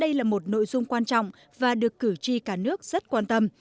đây là một nội dung quan trọng và được cử tri cả nước rất quan tâm